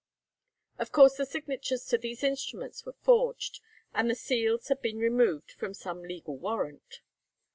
'" Of course the signatures to these instruments were forged, and the seals had been removed from some legal warrant.